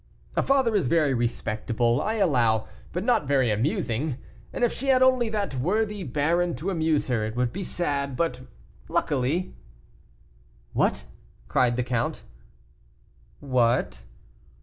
"A father is very respectable, I allow, but not very amusing; and if she had only that worthy baron to amuse her it would be sad; but luckily " "What!" cried the count. "What?"